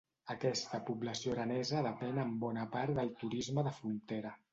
Aquesta població aranesa depèn en bona part del turisme de frontera.